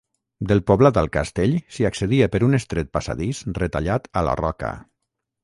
Del poblat al castell, s'hi accedia per un estret passadís retallat a la roca.